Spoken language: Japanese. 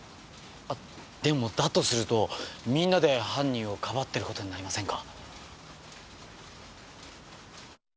でもだとするとみんなで犯人をかばってる事になりませんか？